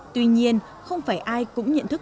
tuy nhiên không phải ai cũng nhận thức